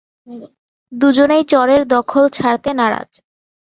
দুজনেই চরের দখল ছাড়তে নারাজ।